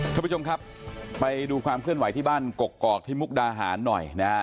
ท่านผู้ชมครับไปดูความเคลื่อนไหวที่บ้านกกอกที่มุกดาหารหน่อยนะฮะ